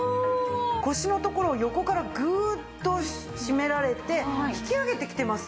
腰のところを横からグーッと締められて引き上げてきてますね。